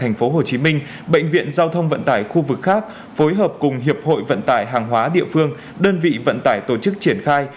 giao thông vận tải khu vực khác phối hợp cùng hiệp hội vận tải hàng hóa địa phương đơn vị vận tải tổ chức triển khai